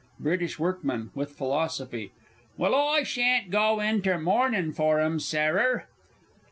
BRITISH WORKMAN (with philosophy). Well, I sha'n't go inter mournin' for 'em, Sairer!